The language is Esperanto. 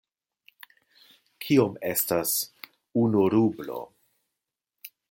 Kiom estas unu rublo?